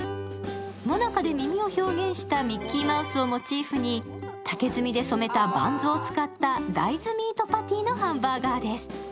もなかで耳を表現したミッキーマウスをモチーフに竹炭で染めたバンズを使った大豆ミートパティのハンバーガーです。